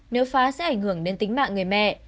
nếu phá sẽ ảnh hưởng đến tính mạng người mẹ